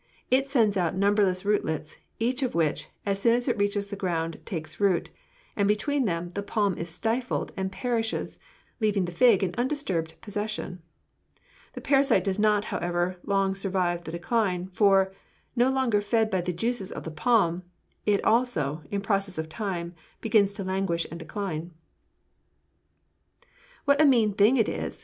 It sends out numberless rootlets, each of which, as soon as it reaches the ground, takes root; and between them the palm is stifled and perishes, leaving the fig in undisturbed possession. The parasite does not, however, long survive the decline; for, no longer fed by the juices of the palm, it also, in process of time, begins to languish and decline.'" "What a mean thing it is!"